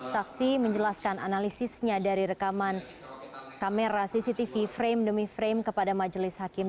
saksi menjelaskan analisisnya dari rekaman kamera cctv frame demi frame kepada majelis hakim